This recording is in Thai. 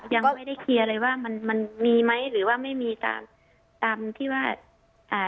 ยังไม่ได้เคลียร์เลยว่ามันมันมีไหมหรือว่าไม่มีตามตามที่ว่าอ่า